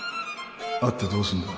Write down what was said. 会ってどうすんだ？